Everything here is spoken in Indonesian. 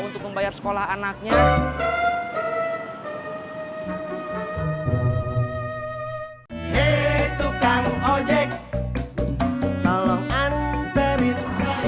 untuk membayar sekolah anaknya itu kang ojek tolong anterin saya